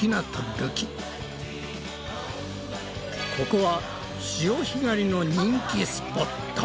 ここは潮干狩りの人気スポット！